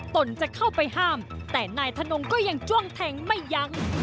ตนจะเข้าไปห้ามแต่นายทนงก็ยังจ้วงแทงไม่ยั้ง